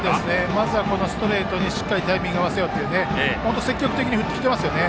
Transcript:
まずはこのストレートにしっかりタイミングを合わせようということで積極的に振ってきていますよね。